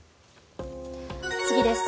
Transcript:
次です。